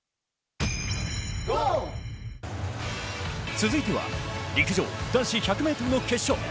続いては陸上男子１００ｍの決勝。